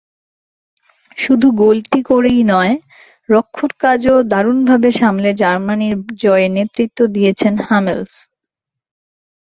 শুধু গোলটি করেই নয়, রক্ষণকাজও দারুণভাবে সামলে জার্মানির জয়ে নেতৃত্ব দিয়েছেন হামেলস।